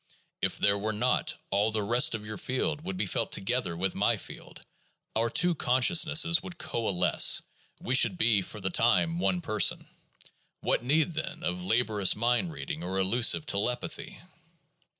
If there were not, all the rest of your field would be felt together with my field — our two consciousnesses would coalesce, we should be for the time one person. What need, then, of laborious mind reading or elusive telepathy?